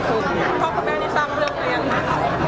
พ่อคุณแม่ที่นี่ทราบไหมเลือกเลยจริง